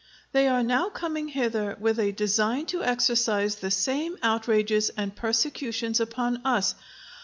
"They are now coming hither with a design to exercise the same outrages and persecutions upon us.